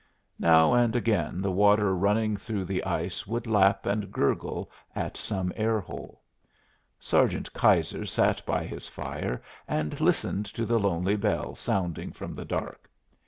Now and again the water running through the ice would lap and gurgle at some air hole. Sergeant Keyser sat by his fire and listened to the lonely bell sounding from the dark.